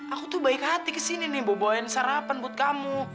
aku tuh baik hati kesini nih bu boen sarapan buat kamu